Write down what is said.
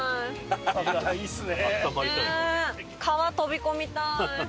川飛び込みたい。